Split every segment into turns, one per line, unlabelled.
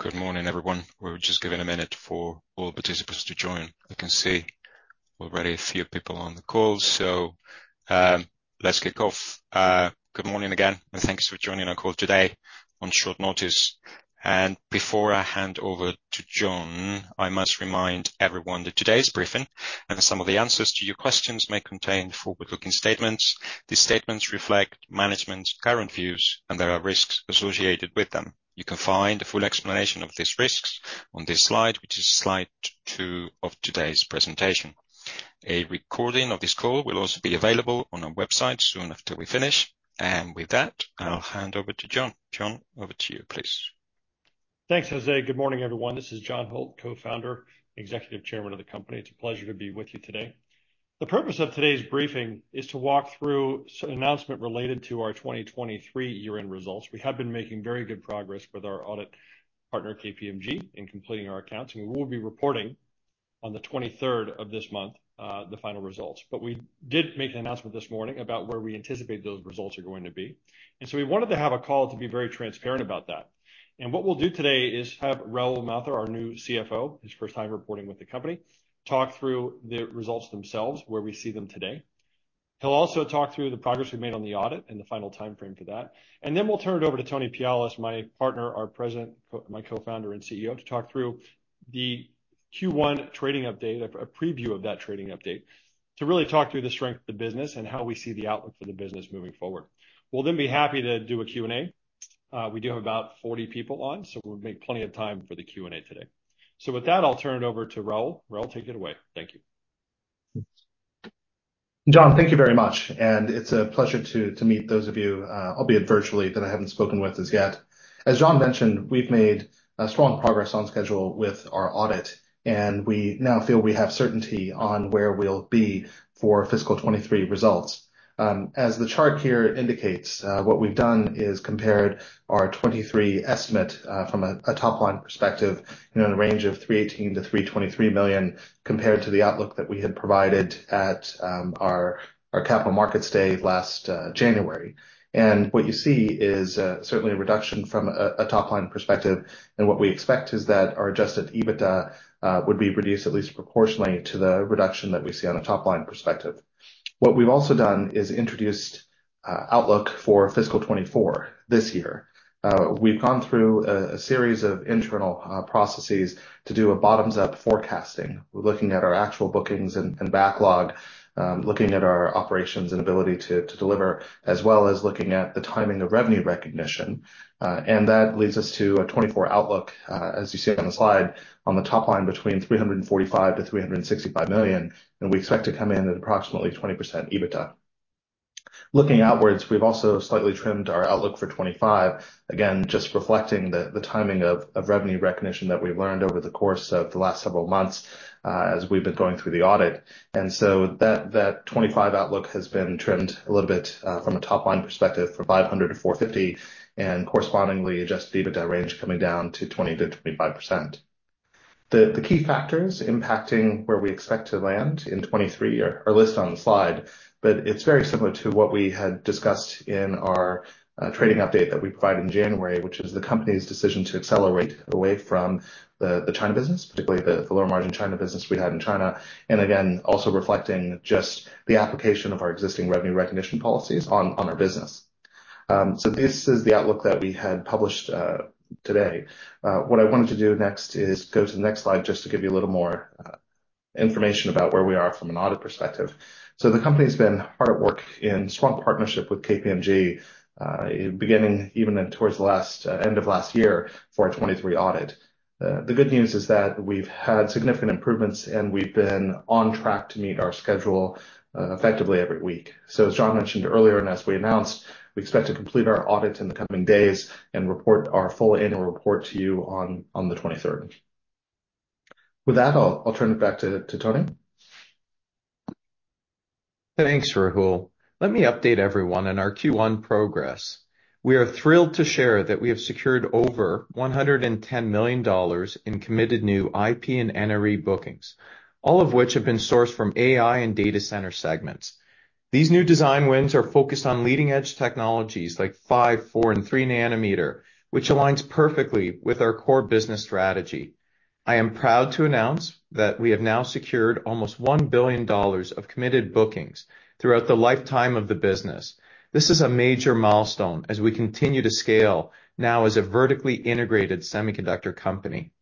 Good morning, everyone. We're just giving a minute for all participants to join. I can see already a few people on the call, so, let's kick off. Good morning again, and thanks for joining our call today on short notice. And before I hand over to John, I must remind everyone that today's briefing and some of the answers to your questions may contain forward-looking statements. These statements reflect management's current views, and there are risks associated with them. You can find a full explanation of these risks on this slide, which is slide two of today's presentation. A recording of this call will also be available on our website soon after we finish. And with that, I'll hand over to John. John, over to you, please.
Thanks, Jose. Good morning, everyone. This is John Holt, co-founder, Executive Chairman of the company. It's a pleasure to be with you today. The purpose of today's briefing is to walk through some announcements related to our 2023 year-end results. We have been making very good progress with our audit partner, KPMG, in completing our accounts, and we will be reporting on the 23rd of this month, the final results. But we did make an announcement this morning about where we anticipate those results are going to be. And so we wanted to have a call to be very transparent about that. And what we'll do today is have Rahul Mathur, our new CFO, his first time reporting with the company, talk through the results themselves, where we see them today. He'll also talk through the progress we made on the audit and the final timeframe for that. And then we'll turn it over to Tony Pialis, my partner, our President, my co-founder and CEO, to talk through the Q1 trading update, a preview of that trading update, to really talk through the strength of the business and how we see the outlook for the business moving forward. We'll then be happy to do a Q&A. We do have about 40 people on, so we'll make plenty of time for the Q&A today. So with that, I'll turn it over to Rahul. Rahul, take it away. Thank you.
John, thank you very much. And it's a pleasure to meet those of you, albeit virtually, that I haven't spoken with as yet. As John mentioned, we've made strong progress on schedule with our audit, and we now feel we have certainty on where we'll be for fiscal 2023 results. As the chart here indicates, what we've done is compared our 2023 estimate, from a top-line perspective, you know, in the range of $318 million-$323 million compared to the outlook that we had provided at our capital markets day last January. And what you see is certainly a reduction from a top-line perspective. And what we expect is that our Adjusted EBITDA would be reduced at least proportionally to the reduction that we see on a top-line perspective. What we've also done is introduced outlook for fiscal 2024 this year. We've gone through a series of internal processes to do a bottoms-up forecasting. We're looking at our actual bookings and, and backlog, looking at our operations and ability to, to deliver, as well as looking at the timing of revenue recognition. And that leads us to a 2024 outlook, as you see on the slide, on the top line between $345 million-$365 million, and we expect to come in at approximately 20% EBITDA. Looking outwards, we've also slightly trimmed our outlook for 2025, again, just reflecting the timing of revenue recognition that we've learned over the course of the last several months, as we've been going through the audit. And so that, that 2025 outlook has been trimmed a little bit, from a top-line perspective from $500 million to $450 million, and correspondingly, adjusted EBITDA range coming down to 20% to 25%. The key factors impacting where we expect to land in 2023 are listed on the slide, but it's very similar to what we had discussed in our trading update that we provided in January, which is the company's decision to accelerate away from the China business, particularly the lower-margin China business we had in China, and again, also reflecting just the application of our existing revenue recognition policies on our business. So this is the outlook that we had published today. What I wanted to do next is go to the next slide just to give you a little more information about where we are from an audit perspective. So the company's been hard at work in strong partnership with KPMG, beginning even towards the last end of last year for a 2023 audit. The good news is that we've had significant improvements, and we've been on track to meet our schedule, effectively every week. So as John mentioned earlier, and as we announced, we expect to complete our audits in the coming days and report our full annual report to you on the 23rd. With that, I'll turn it back to Tony.
Thanks, Rahul. Let me update everyone on our Q1 progress. We are thrilled to share that we have secured over $110 million in committed new IP and NRE bookings, all of which have been sourced from AI and data center segments. These new design wins are focused on leading-edge technologies like 5, 4, and 3 nanometer, which aligns perfectly with our core business strategy. I am proud to announce that we have now secured almost $1 billion of committed bookings throughout the lifetime of the business. This is a major milestone as we continue to scale now as a vertically integrated semiconductor company.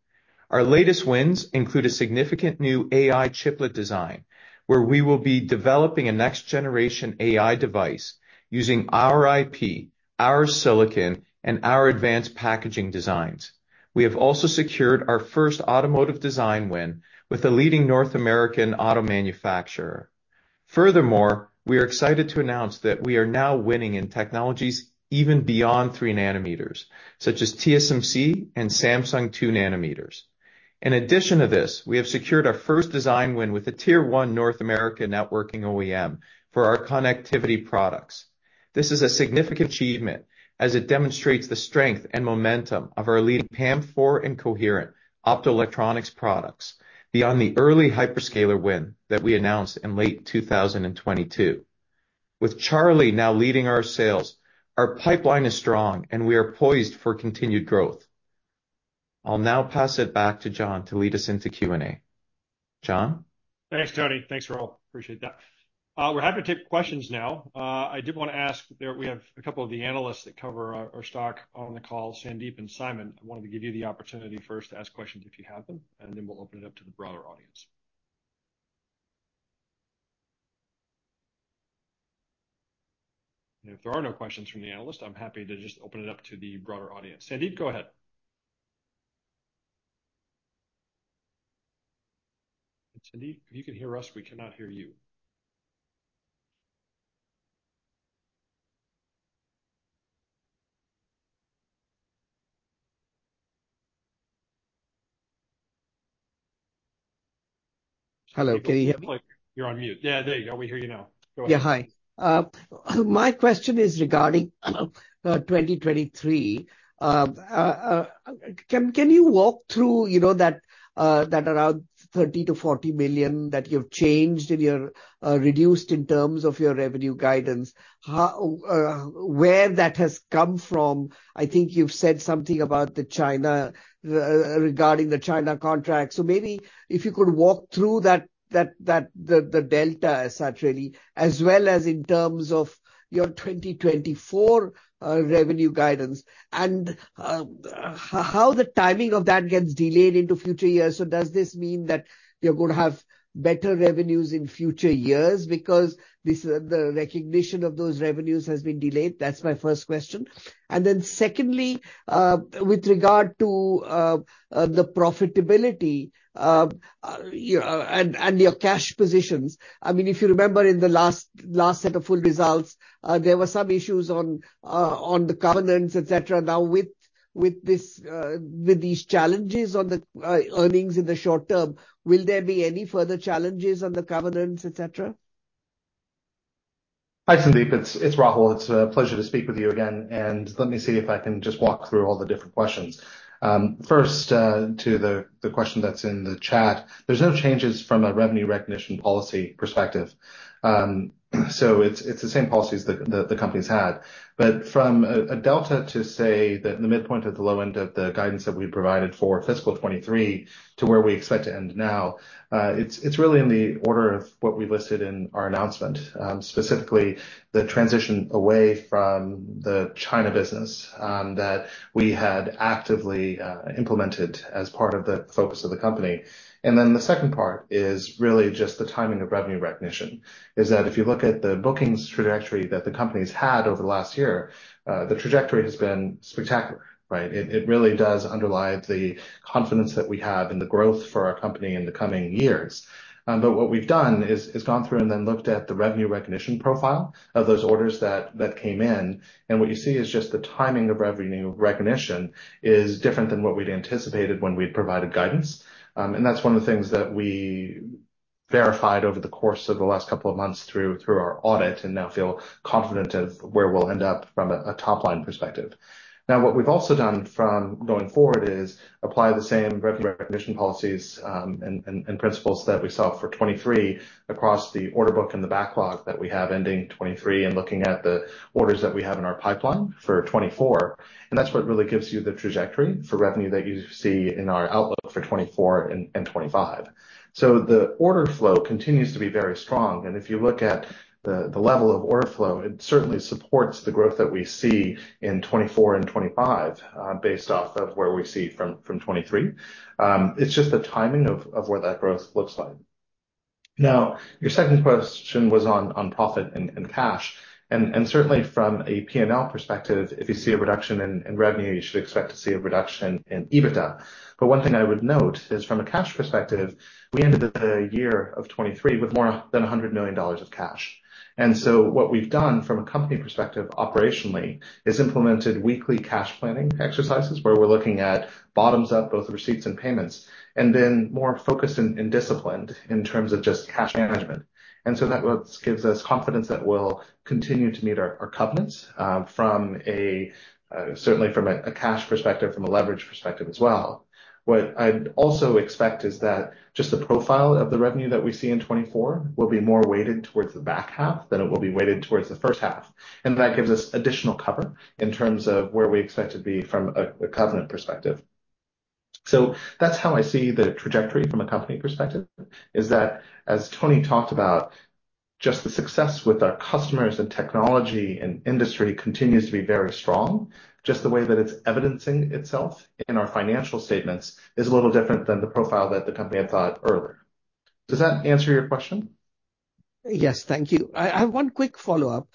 Our latest wins include a significant new AI chiplet design, where we will be developing a next-generation AI device using our IP, our silicon, and our advanced packaging designs. We have also secured our first automotive design win with a leading North American auto manufacturer. Furthermore, we are excited to announce that we are now winning in technologies even beyond 3 nanometers, such as TSMC and Samsung 2 nanometers. In addition to this, we have secured our first design win with a Tier 1 North American networking OEM for our connectivity products. This is a significant achievement as it demonstrates the strength and momentum of our leading PAM4 and coherent optoelectronics products beyond the early hyperscaler win that we announced in late 2022. With Charlie now leading our sales, our pipeline is strong, and we are poised for continued growth. I'll now pass it back to John to lead us into Q&A. John?
Thanks, Tony. Thanks, Rahul. Appreciate that. We're happy to take questions now. I did want to ask there we have a couple of the analysts that cover our, our stock on the call, Sandeep and Simon. I wanted to give you the opportunity first to ask questions if you have them, and then we'll open it up to the broader audience. And if there are no questions from the analysts, I'm happy to just open it up to the broader audience. Sandeep, go ahead. Sandeep, if you can hear us, we cannot hear you.
Hello. Can you hear me?
It looks like you're on mute. Yeah, there you go. We hear you now. Go ahead.
Yeah, hi. My question is regarding 2023. Can you walk through, you know, that around $30 million-$40 million that you've changed and you're reduced in terms of your revenue guidance, how, where that has come from? I think you've said something about the China, regarding the China contract. So maybe if you could walk through that, the delta as such, really, as well as in terms of your 2024 revenue guidance and how the timing of that gets delayed into future years. So does this mean that you're going to have better revenues in future years because this is the recognition of those revenues has been delayed? That's my first question. And then secondly, with regard to the profitability, you know, and your cash positions, I mean, if you remember in the last set of full results, there were some issues on the covenants, etc. Now with these challenges on the earnings in the short term, will there be any further challenges on the covenants, etc.?
Hi, Sandeep. It's, it's Rahul. It's a pleasure to speak with you again. Let me see if I can just walk through all the different questions. First, to the question that's in the chat, there's no changes from a revenue recognition policy perspective. So it's the same policies that the company's had. But from a delta to, say, the midpoint of the low end of the guidance that we've provided for fiscal 2023 to where we expect to end now, it's really in the order of what we listed in our announcement, specifically the transition away from the China business that we had actively implemented as part of the focus of the company. Then the second part is really just the timing of revenue recognition, is that if you look at the bookings trajectory that the company's had over the last year, the trajectory has been spectacular, right? It really does underlie the confidence that we have in the growth for our company in the coming years. What we've done is gone through and then looked at the revenue recognition profile of those orders that came in. And what you see is just the timing of revenue recognition is different than what we'd anticipated when we'd provided guidance. And that's one of the things that we verified over the course of the last couple of months through our audit and now feel confident of where we'll end up from a top-line perspective. Now, what we've also done going forward is apply the same revenue recognition policies and principles that we saw for 2023 across the order book and the backlog that we have ending 2023 and looking at the orders that we have in our pipeline for 2024. And that's what really gives you the trajectory for revenue that you see in our outlook for 2024 and 2025. So the order flow continues to be very strong. And if you look at the level of order flow, it certainly supports the growth that we see in 2024 and 2025, based off of where we see from 2023. It's just the timing of where that growth looks like. Now, your second question was on profit and cash. Certainly from a P&L perspective, if you see a reduction in revenue, you should expect to see a reduction in EBITDA. But one thing I would note is from a cash perspective, we ended the year of 2023 with more than $100 million of cash. And so what we've done from a company perspective operationally is implemented weekly cash planning exercises where we're looking at bottoms-up, both receipts and payments, and then more focused and disciplined in terms of just cash management. And so that gives us confidence that we'll continue to meet our covenants, certainly from a cash perspective, from a leverage perspective as well. What I'd also expect is that just the profile of the revenue that we see in 2024 will be more weighted towards the back half than it will be weighted towards the first half. That gives us additional cover in terms of where we expect to be from a covenant perspective. That's how I see the trajectory from a company perspective: as Tony talked about, just the success with our customers and technology and industry continues to be very strong. Just the way that it's evidencing itself in our financial statements is a little different than the profile that the company had thought earlier. Does that answer your question?
Yes, thank you. I have one quick follow-up,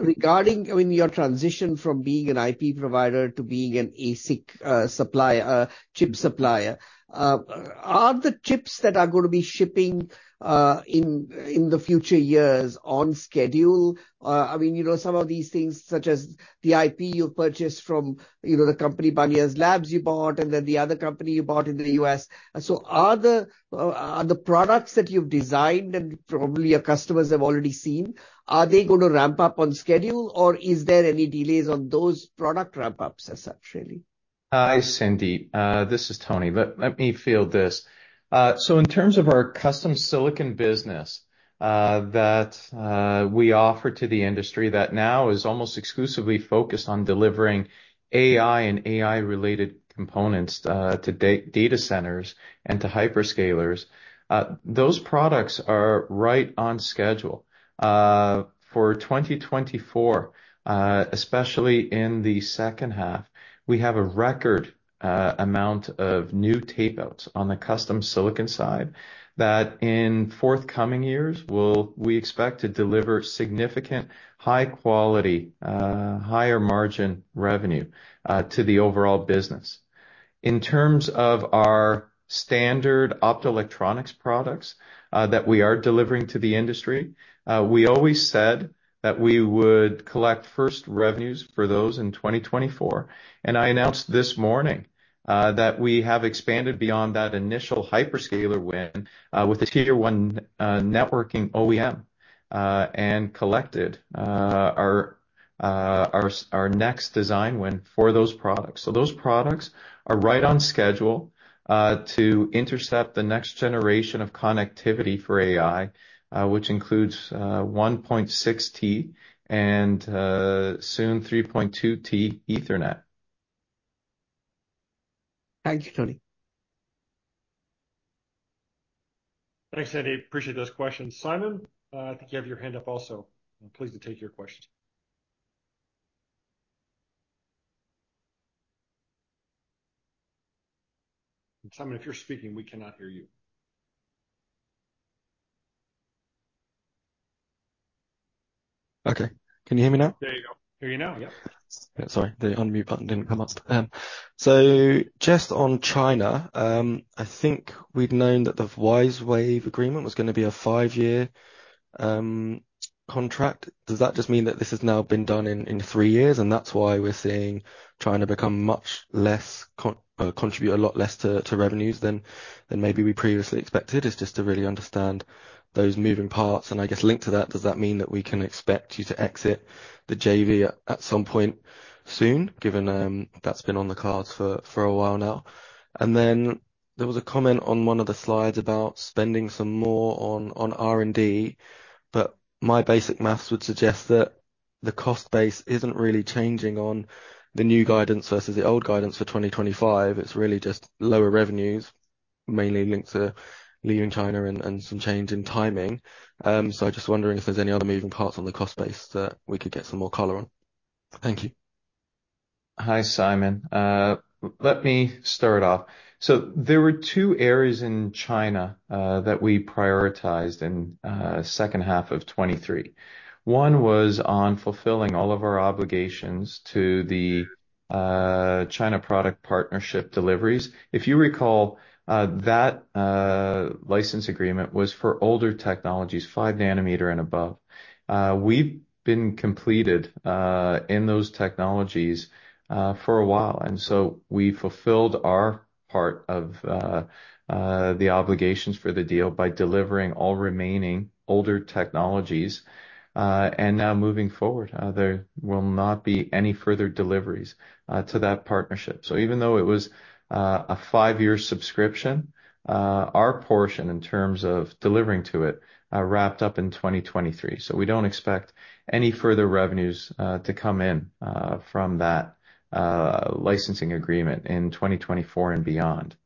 regarding, I mean, your transition from being an IP provider to being an ASIC supplier, chip supplier. Are the chips that are going to be shipping in the future years on schedule? I mean, you know, some of these things such as the IP you've purchased from, you know, the company Banias Labs you bought, and then the other company you bought in the US. So are the products that you've designed and probably your customers have already seen going to ramp up on schedule, or is there any delays on those product ramp-ups as such, really?
Hi, Sandeep. This is Tony. Let me feel this. So in terms of our custom silicon business, that we offer to the industry that now is almost exclusively focused on delivering AI and AI-related components, to data centers and to hyperscalers, those products are right on schedule. For 2024, especially in the second half, we have a record amount of new tapeouts on the custom silicon side that in forthcoming years will we expect to deliver significant high-quality, higher-margin revenue to the overall business. In terms of our standard optoelectronics products that we are delivering to the industry, we always said that we would collect first revenues for those in 2024. And I announced this morning that we have expanded beyond that initial hyperscaler win with a Tier 1 networking OEM and collected our next design win for those products. Those products are right on schedule to intercept the next generation of connectivity for AI, which includes 1.6T and, soon, 3.2T Ethernet.
Thank you, Tony.
Thanks, Sandeep. Appreciate those questions. Simon, I think you have your hand up also. I'm pleased to take your question. Simon, if you're speaking, we cannot hear you.
Okay. Can you hear me now?
There you go. Here you now. Yep.
Sorry. The unmute button didn't come up. So just on China, I think we'd known that the WiseWave agreement was going to be a five-year contract. Does that just mean that this has now been done in three years? And that's why we're seeing China become much less contribute a lot less to revenues than maybe we previously expected, is just to really understand those moving parts. And I guess linked to that, does that mean that we can expect you to exit the JV at some point soon, given that's been on the cards for a while now? And then there was a comment on one of the slides about spending some more on R&D, but my basic math would suggest that the cost base isn't really changing on the new guidance versus the old guidance for 2025. It's really just lower revenues, mainly linked to leaving China and some change in timing. So I'm just wondering if there's any other moving parts on the cost base that we could get some more color on. Thank you.
Hi, Simon. Let me start off. So there were two areas in China that we prioritized in the second half of 2023. One was on fulfilling all of our obligations to the China product partnership deliveries. If you recall, that license agreement was for older technologies, 5 nanometer and above. We've completed those technologies for a while. And so we fulfilled our part of the obligations for the deal by delivering all remaining older technologies, and now moving forward, there will not be any further deliveries to that partnership. So even though it was a five-year subscription, our portion in terms of delivering to it wrapped up in 2023. So we don't expect any further revenues to come in from that licensing agreement in 2024 and beyond.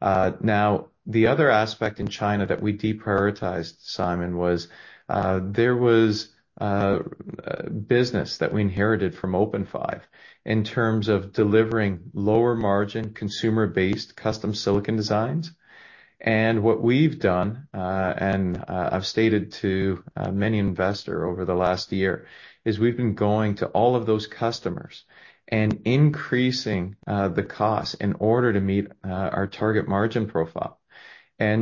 Now, the other aspect in China that we deprioritized, Simon, was, there was business that we inherited from OpenFive in terms of delivering lower-margin, consumer-based custom silicon designs. What we've done, and I've stated to many investors over the last year, is we've been going to all of those customers and increasing the cost in order to meet our target margin profile.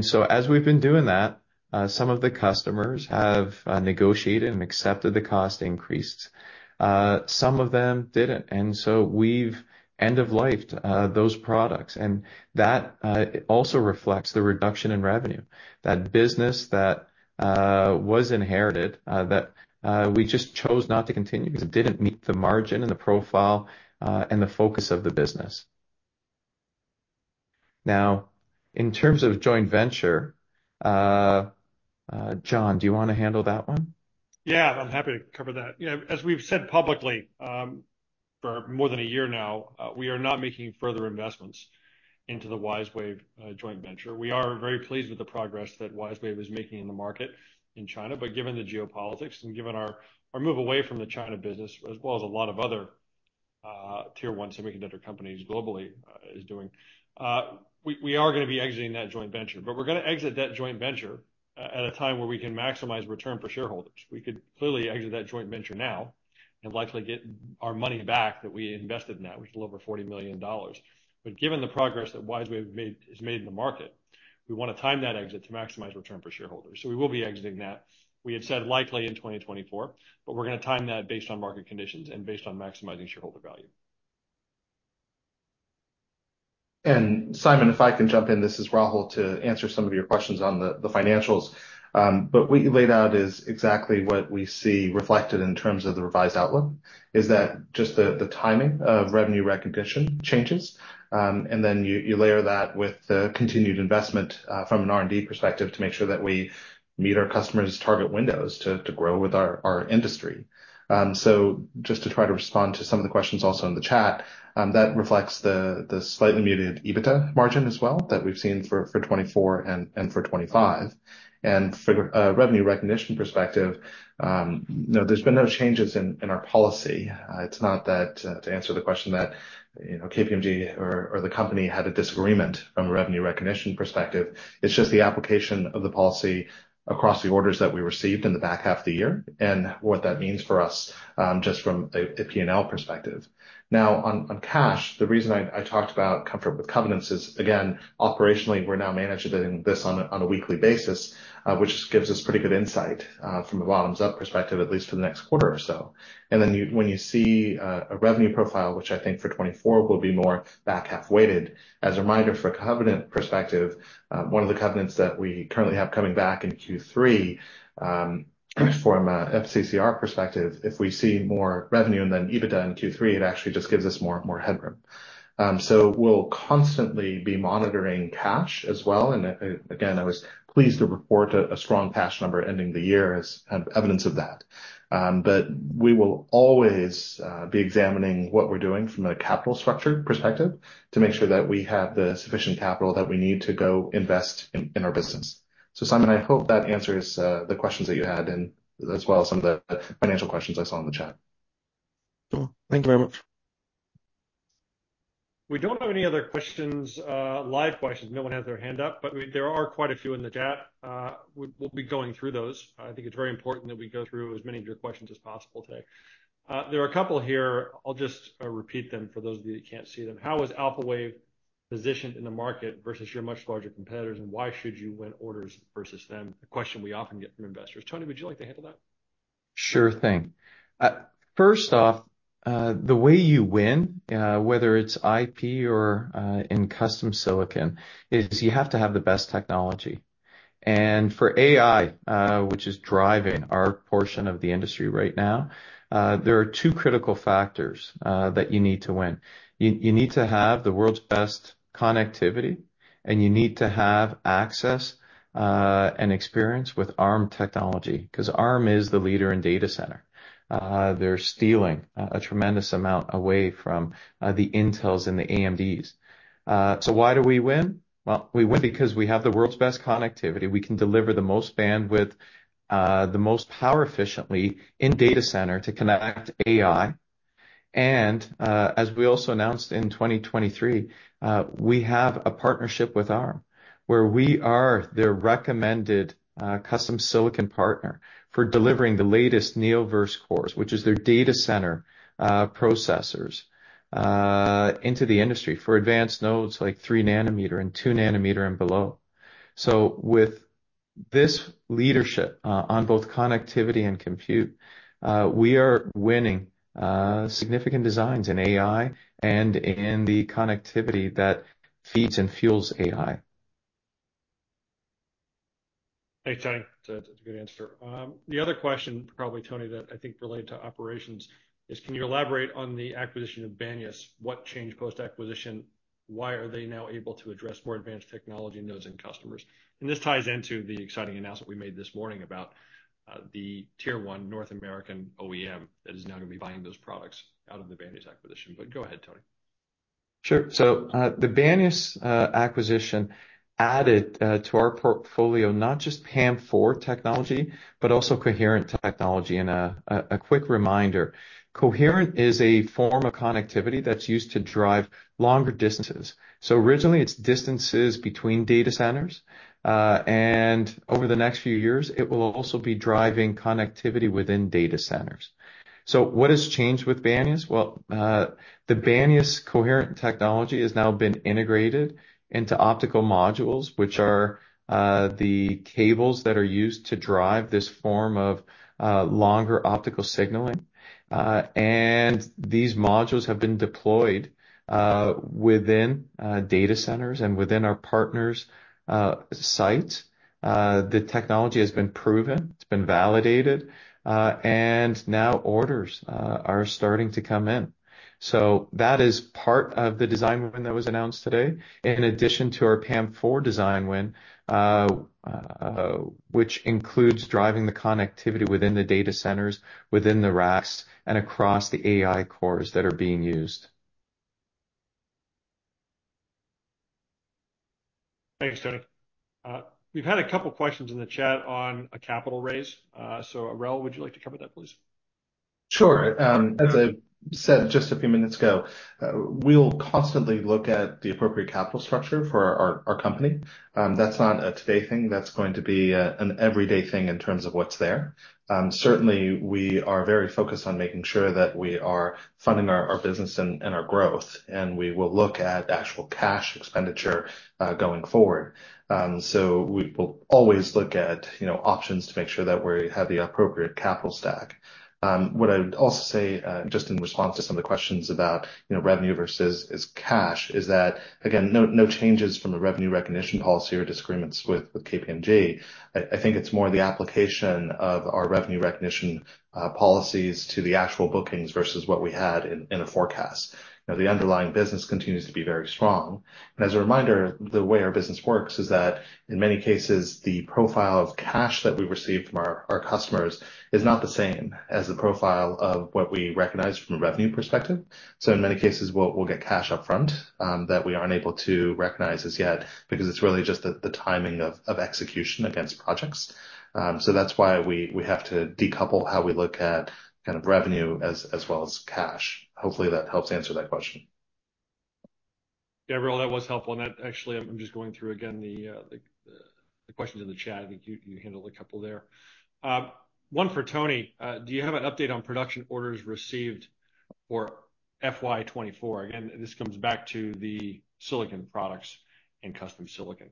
So as we've been doing that, some of the customers have negotiated and accepted the cost increases. Some of them didn't. We've end-of-lifed those products. That also reflects the reduction in revenue, that business that was inherited, that we just chose not to continue because it didn't meet the margin and the profile, and the focus of the business. Now, in terms of joint venture, John, do you want to handle that one?
Yeah, I'm happy to cover that. Yeah, as we've said publicly, for more than a year now, we are not making further investments into the WiseWave joint venture. We are very pleased with the progress that WiseWave is making in the market in China. But given the geopolitics and given our, our move away from the China business, as well as a lot of other, Tier 1 semiconductor companies globally, is doing, we, we are going to be exiting that joint venture. But we're going to exit that joint venture, at a time where we can maximize return for shareholders. We could clearly exit that joint venture now and likely get our money back that we invested in that, which is a little over $40 million. But given the progress that WiseWave has made in the market, we want to time that exit to maximize return for shareholders. So we will be exiting that. We had said likely in 2024, but we're going to time that based on market conditions and based on maximizing shareholder value.
Simon, if I can jump in, this is Rahul to answer some of your questions on the financials. But what you laid out is exactly what we see reflected in terms of the revised outlook, is that just the timing of revenue recognition changes, and then you layer that with the continued investment from an R&D perspective to make sure that we meet our customers' target windows to grow with our industry. So just to try to respond to some of the questions also in the chat, that reflects the slightly muted EBITDA margin as well that we've seen for 2024 and for 2025. For the revenue recognition perspective, you know, there's been no changes in our policy. It's not that, to answer the question that, you know, KPMG or, or the company had a disagreement from a revenue recognition perspective. It's just the application of the policy across the orders that we received in the back half of the year and what that means for us, just from a, a P&L perspective. Now, on, on cash, the reason I, I talked about comfort with covenants is, again, operationally, we're now managing this on a, on a weekly basis, which gives us pretty good insight, from a bottoms-up perspective, at least for the next quarter or so. And then, when you see a revenue profile, which I think for 2024 will be more back-half weighted, as a reminder for a covenant perspective, one of the covenants that we currently have coming back in Q3, from a FCCR perspective, if we see more revenue and then EBITDA in Q3, it actually just gives us more headroom. So we'll constantly be monitoring cash as well. And again, I was pleased to report a strong cash number ending the year as evidence of that. But we will always be examining what we're doing from a capital structure perspective to make sure that we have sufficient capital that we need to go invest in our business. So Simon, I hope that answers the questions that you had and as well as some of the financial questions I saw in the chat.
Cool. Thank you very much.
We don't have any other questions, live questions. No one has their hand up, but there are quite a few in the chat. We'll be going through those. I think it's very important that we go through as many of your questions as possible today. There are a couple here. I'll just repeat them for those of you that can't see them. How is Alphawave positioned in the market versus your much larger competitors, and why should you win orders versus them? A question we often get from investors. Tony, would you like to handle that?
Sure thing. First off, the way you win, whether it's IP or in custom silicon, is you have to have the best technology. And for AI, which is driving our portion of the industry right now, there are two critical factors that you need to win. You need to have the world's best connectivity, and you need to have access and experience with Arm technology, because Arm is the leader in data center. They're stealing a tremendous amount away from the Intel and the AMD. So why do we win? Well, we win because we have the world's best connectivity. We can deliver the most bandwidth, the most power efficiently in data center to connect AI. As we also announced in 2023, we have a partnership with Arm, where we are their recommended custom silicon partner for delivering the latest Neoverse cores, which is their Data Center processors, into the industry for advanced nodes like 3 nanometer and 2 nanometer and below. So with this leadership on both connectivity and compute, we are winning significant designs in AI and in the connectivity that feeds and fuels AI.
Thanks, Tony. That's a good answer. The other question, probably, Tony, that I think related to operations, is, can you elaborate on the acquisition of Banias? What changed post-acquisition? Why are they now able to address more advanced technology nodes and customers? And this ties into the exciting announcement we made this morning about the Tier 1 North American OEM that is now going to be buying those products out of the Banias acquisition. But go ahead, Tony.
Sure. So, the Banias acquisition added to our portfolio not just PAM4 technology, but also Coherent technology. And a quick reminder, Coherent is a form of connectivity that's used to drive longer distances. So originally, it's distances between data centers. And over the next few years, it will also be driving connectivity within data centers. So what has changed with Banias? Well, the Banias Coherent technology has now been integrated into optical modules, which are the cables that are used to drive this form of longer optical signaling. And these modules have been deployed within data centers and within our partners' sites. The technology has been proven. It's been validated. And now orders are starting to come in. So that is part of the design win that was announced today, in addition to our PAM4 design win, which includes driving the connectivity within the data centers, within the racks, and across the AI cores that are being used.
Thanks, Tony. We've had a couple of questions in the chat on a capital raise. So Rahul, would you like to cover that, please?
Sure. As I said just a few minutes ago, we'll constantly look at the appropriate capital structure for our, our company. That's not a today thing. That's going to be an everyday thing in terms of what's there. Certainly, we are very focused on making sure that we are funding our, our business and, and our growth. We will look at actual cash expenditure, going forward. We will always look at, you know, options to make sure that we have the appropriate capital stack. What I'd also say, just in response to some of the questions about, you know, revenue versus cash, is that, again, no, no changes from the revenue recognition policy or disagreements with, with KPMG. I, I think it's more the application of our revenue recognition, policies to the actual bookings versus what we had in, in a forecast. You know, the underlying business continues to be very strong. As a reminder, the way our business works is that, in many cases, the profile of cash that we receive from our customers is not the same as the profile of what we recognize from a revenue perspective. In many cases, we'll get cash up front that we aren't able to recognize as yet because it's really just the timing of execution against projects. That's why we have to decouple how we look at kind of revenue as well as cash. Hopefully, that helps answer that question.
Rahul, that was helpful. And actually, I'm just going through again the questions in the chat. I think you handled a couple there. One for Tony. Do you have an update on production orders received for FY24? Again, this comes back to the silicon products and custom silicon.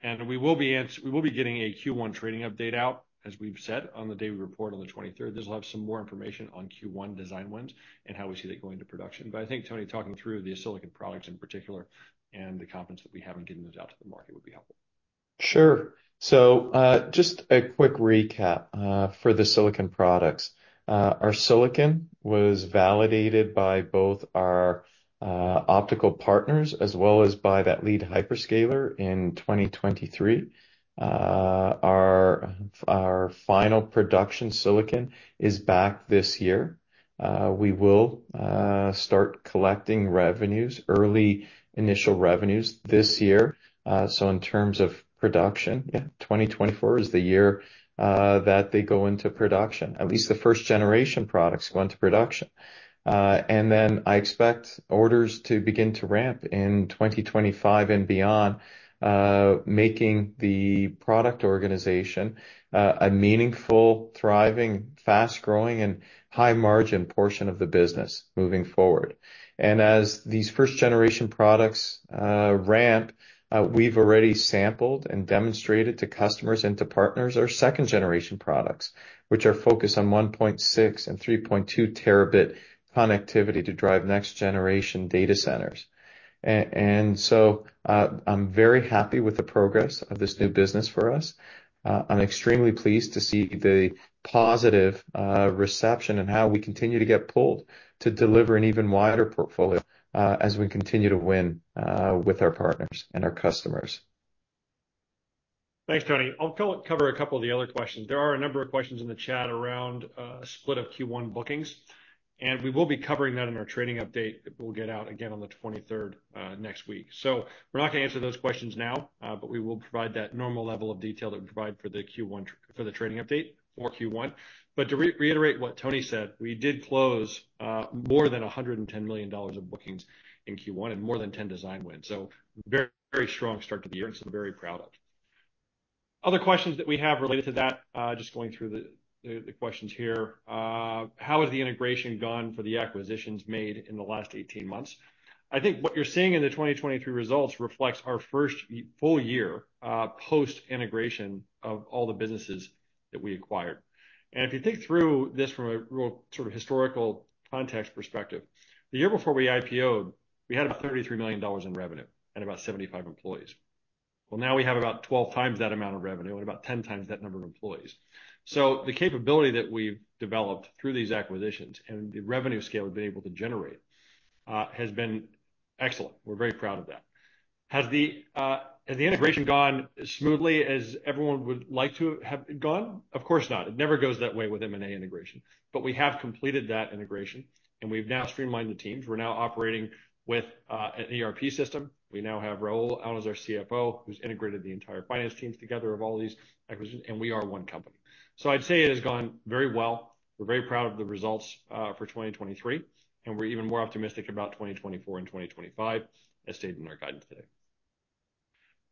And we will be announcing we will be getting a Q1 trading update out, as we've said, on the day we report on the 23rd. This will have some more information on Q1 design wins and how we see that going into production. But I think, Tony, talking through the silicon products in particular and the confidence that we haven't given those out to the market would be helpful.
Sure. So, just a quick recap, for the silicon products. Our silicon was validated by both our optical partners as well as by that lead hyperscaler in 2023. Our final production silicon is back this year. We will start collecting revenues, early initial revenues this year. So in terms of production, yeah, 2024 is the year that they go into production, at least the first-generation products go into production. And then I expect orders to begin to ramp in 2025 and beyond, making the product organization a meaningful, thriving, fast-growing, and high-margin portion of the business moving forward. And as these first-generation products ramp, we've already sampled and demonstrated to customers and to partners our second-generation products, which are focused on 1.6 and 3.2 terabit connectivity to drive next-generation data centers. And so, I'm very happy with the progress of this new business for us. I'm extremely pleased to see the positive reception and how we continue to get pulled to deliver an even wider portfolio, as we continue to win with our partners and our customers.
Thanks, Tony. I'll cover a couple of the other questions. There are a number of questions in the chat around split of Q1 bookings. And we will be covering that in our trading update that will get out again on the 23rd, next week. So we're not going to answer those questions now, but we will provide that normal level of detail that we provide for the Q1 for the trading update for Q1. But to reiterate what Tony said, we did close more than $110 million of bookings in Q1 and more than 10 design wins. So very strong start to the year, and so very proud of it. Other questions that we have related to that, just going through the questions here. How has the integration gone for the acquisitions made in the last 18 months? I think what you're seeing in the 2023 results reflects our first full year, post-integration of all the businesses that we acquired. And if you think through this from a real sort of historical context perspective, the year before we IPOed, we had about $33 million in revenue and about 75 employees. Well, now we have about 12 times that amount of revenue and about 10 times that number of employees. So the capability that we've developed through these acquisitions and the revenue scale we've been able to generate, has been excellent. We're very proud of that. Has the, has the integration gone as smoothly as everyone would like to have gone? Of course not. It never goes that way with M&A integration. But we have completed that integration, and we've now streamlined the teams. We're now operating with, an ERP system. We now have Rahul out as our CFO, who's integrated the entire finance teams together of all these acquisitions, and we are one company. So I'd say it has gone very well. We're very proud of the results, for 2023, and we're even more optimistic about 2024 and 2025, as stated in our guidance today.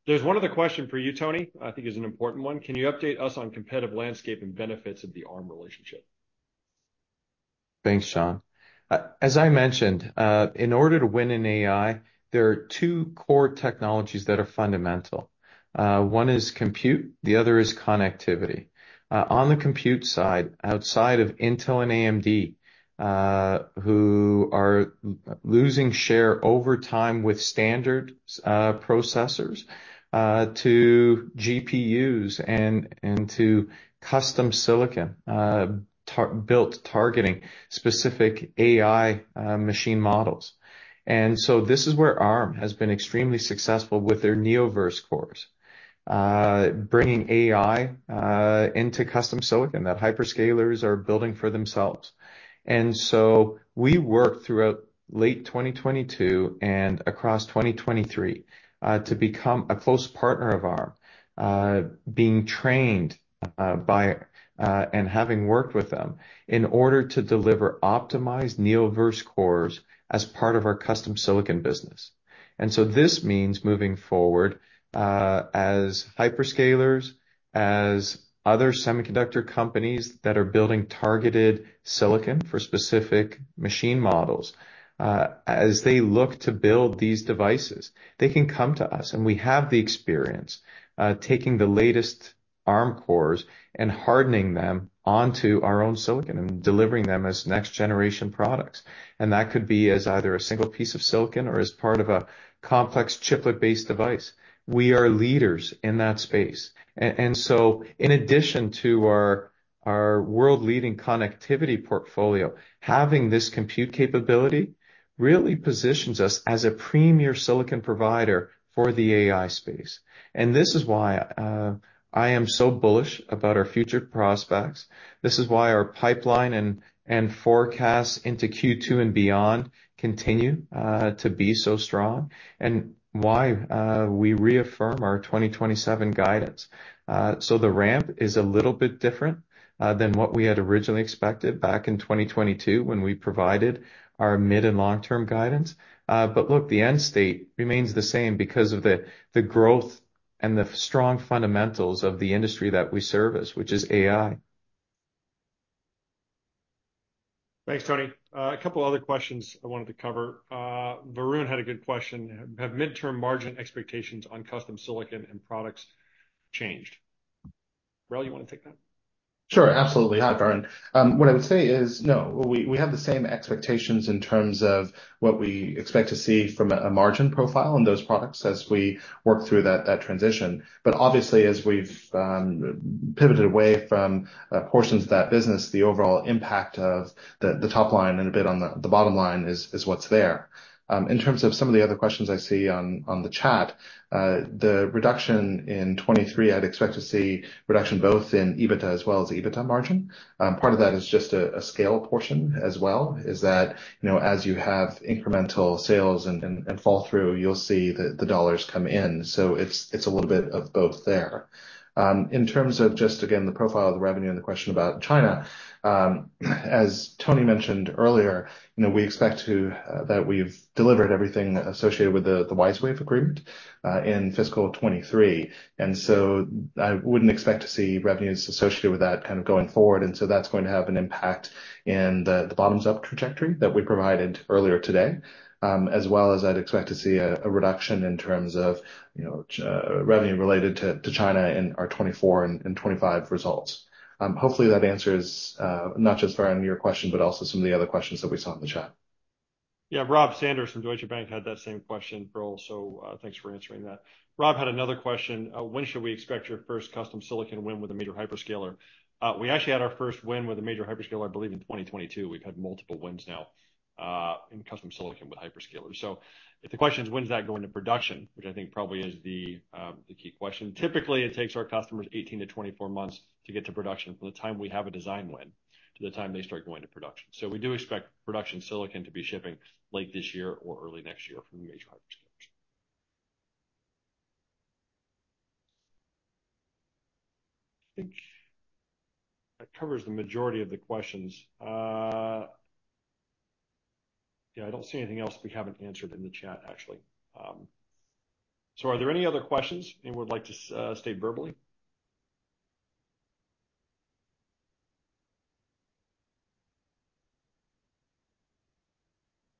There's one other question for you, Tony, I think is an important one. Can you update us on competitive landscape and benefits of the Arm relationship?
Thanks, John. As I mentioned, in order to win in AI, there are two core technologies that are fundamental. One is compute, the other is connectivity. On the compute side, outside of Intel and AMD, who are losing share over time with standard processors, to GPUs and, and to custom silicon, built targeting specific AI machine models. And so this is where Arm has been extremely successful with their Neoverse cores, bringing AI into custom silicon that hyperscalers are building for themselves. And so we worked throughout late 2022 and across 2023, to become a close partner of Arm, being trained by, and having worked with them in order to deliver optimized Neoverse cores as part of our custom silicon business. And so this means moving forward, as hyperscalers, as other semiconductor companies that are building targeted silicon for specific machine models, as they look to build these devices, they can come to us, and we have the experience, taking the latest Arm cores and hardening them onto our own silicon and delivering them as next-generation products. And that could be as either a single piece of silicon or as part of a complex chiplet-based device. We are leaders in that space. And so in addition to our world-leading connectivity portfolio, having this compute capability really positions us as a premier silicon provider for the AI space. And this is why I am so bullish about our future prospects. This is why our pipeline and forecasts into Q2 and beyond continue to be so strong, and why we reaffirm our 2027 guidance. So the ramp is a little bit different than what we had originally expected back in 2022 when we provided our mid- and long-term guidance. But look, the end state remains the same because of the growth and the strong fundamentals of the industry that we service, which is AI.
Thanks, Tony. A couple of other questions I wanted to cover. Varun had a good question. Have midterm margin expectations on custom silicon and products changed? Rahul, you want to take that?
Sure, absolutely. Hi, Varun. What I would say is, no, we, we have the same expectations in terms of what we expect to see from a margin profile in those products as we work through that, that transition. But obviously, as we've, pivoted away from portions of that business, the overall impact of the, the top line and a bit on the, the bottom line is, is what's there. In terms of some of the other questions I see on, on the chat, the reduction in 2023, I'd expect to see reduction both in EBITDA as well as EBITDA margin. Part of that is just a, a scale portion as well, is that, you know, as you have incremental sales and, and, and fall through, you'll see the, the dollars come in. So it's, it's a little bit of both there. In terms of just, again, the profile of the revenue and the question about China, as Tony mentioned earlier, you know, we expect to, that we've delivered everything associated with the, the WiseWave agreement, in fiscal 2023. And so I wouldn't expect to see revenues associated with that kind of going forward. And so that's going to have an impact in the, the bottoms-up trajectory that we provided earlier today, as well as I'd expect to see a, a reduction in terms of, you know, revenue related to, to China in our 2024 and, and 2025 results. Hopefully, that answers, not just Varun, your question, but also some of the other questions that we saw in the chat.
Yeah, Rob Sanders from Deutsche Bank had that same question, Rahul. So, thanks for answering that. Rob had another question. When should we expect your first custom silicon win with a major hyperscaler? We actually had our first win with a major hyperscaler, I believe, in 2022. We've had multiple wins now, in custom silicon with hyperscalers. So if the question is, when's that going to production, which I think probably is the key question, typically, it takes our customers 18-24 months to get to production from the time we have a design win to the time they start going to production. So we do expect production silicon to be shipping late this year or early next year from major hyperscalers. I think that covers the majority of the questions. Yeah, I don't see anything else we haven't answered in the chat, actually. So, are there any other questions, and would like to stay verbally?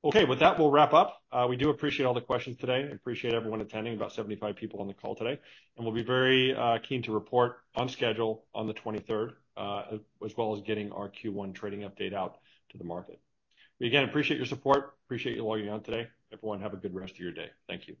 Okay, with that, we'll wrap up. We do appreciate all the questions today. I appreciate everyone attending, about 75 people on the call today. And we'll be very keen to report on schedule on the 23rd, as well as getting our Q1 trading update out to the market. We again appreciate your support. Appreciate you logging on today. Everyone, have a good rest of your day. Thank you.